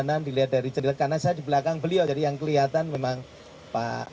dilihat dari cerita karena saya di belakang beliau jadi yang kelihatan memang pak